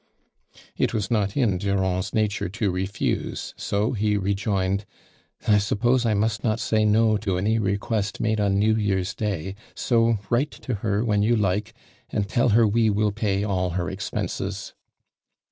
It was not in Durand's nature to refuse, 80 he rejoined, " I suppose I must not say no to any request made on New Year's day, BO write to her when you like, and tell her we will pay all her expenses."